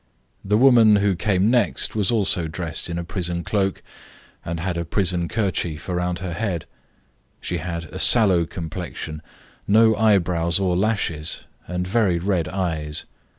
The woman who came next was also dressed in a prison cloak, and had a prison kerchief round her head. She had a sallow complexion, no eyebrows or lashes, and very red eyes.